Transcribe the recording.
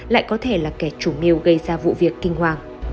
lại có thể là kẻ chủ mưu gây ra vụ việc kinh hoàng